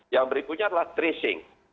yang berikutnya adalah tracing